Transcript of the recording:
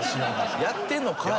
やってんのかい。